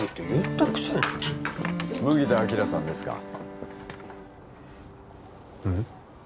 うん？